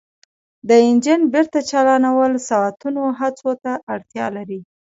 د انجن بیرته چالانول ساعتونو هڅو ته اړتیا لري